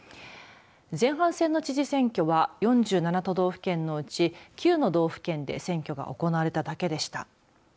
前半戦の知事選挙は４７都道府県のうち９の道府県で選挙が行われただけでした。